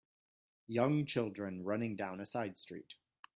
Young children running down a side street